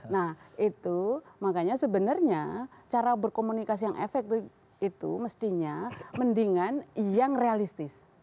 nah itu makanya sebenarnya cara berkomunikasi yang efektif itu mestinya mendingan yang realistis